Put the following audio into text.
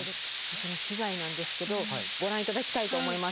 その被害なんですけどご覧いただきたいと思います。